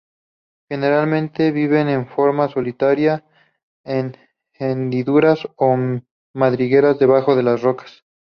Generalmente viven de forma solitaria en hendiduras o madrigueras debajo de las rocas.